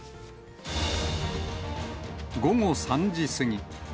午後３時過ぎ。